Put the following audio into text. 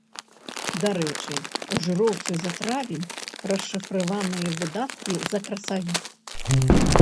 Дарэчы, ў жыроўцы за травень расшыфраваныя выдаткі за красавік.